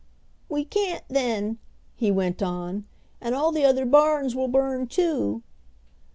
"We can't then," he went on, "and all the other barns will burn too."